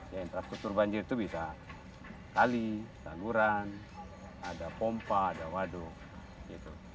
ya infrastruktur banjir itu bisa kali tangguran ada pompa ada waduk gitu